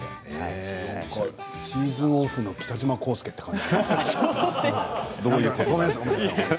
シーズンオフの北島康介という感じです。